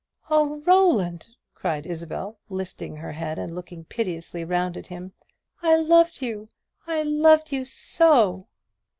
"Oh, Roland!" cried Isabel, lifting her head and looking piteously round at him, "I loved you so I l loved so!"